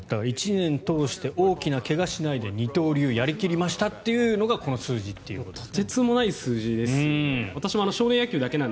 １年通して大きな怪我をしないで二刀流をやり切りましたというのがこの数字ということです。